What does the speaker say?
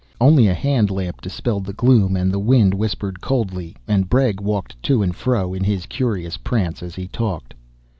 Only a hand lamp dispelled the gloom, and the wind whispered coldly, and Bregg walked to and fro in his curious prance as he talked.